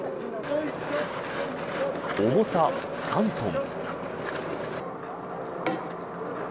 重さ３トン。